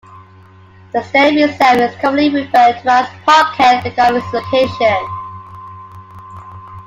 The stadium itself is commonly referred to as Parkhead because of its location.